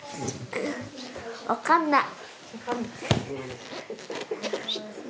わかんない。